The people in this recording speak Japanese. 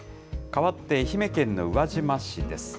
かわって、愛媛県の宇和島市です。